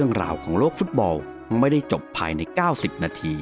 สวัสดีครับ